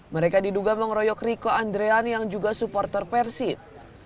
mereka diduga mengeroyok riko andrean yang juga supporter persib